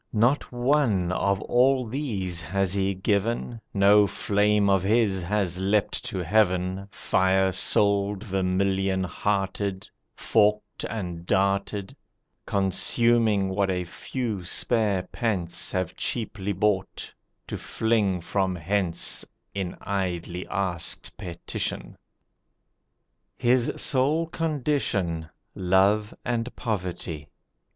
Not one of all these has he given, No flame of his has leapt to Heaven Firesouled, vermilion hearted, Forked, and darted, Consuming what a few spare pence Have cheaply bought, to fling from hence In idly asked petition. His sole condition Love and poverty.